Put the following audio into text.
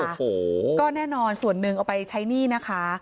โอ้โหก็แน่นอนส่วนหนึ่งเอาไปใช้หนี้นะคะ